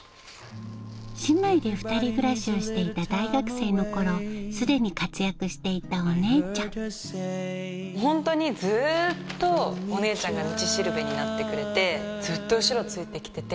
姉妹で２人暮らしをしていた大学生の頃すでに活躍していたお姉ちゃんホントにずっとお姉ちゃんが道しるべになってくれてずっと後ろついて来てて。